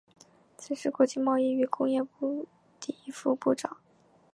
曾是国际贸易与工业部第一副部长。